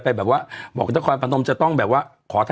ไปแบบฟูทีมไปแบบว่า